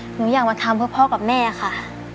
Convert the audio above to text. หนูอยากมาทำเพื่อพ่อกับแม่ค่ะ